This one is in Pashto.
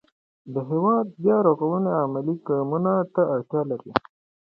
د هېواد بیا رغونه عملي ګامونو ته اړتیا لري.